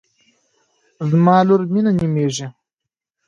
زما لور مینه نومیږي